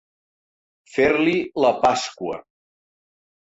Fer-li la Pasqua.